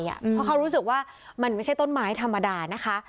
เพราะเขารู้สึกว่ามันไม่ใช่ต้นไม้ธรรมดานะคะ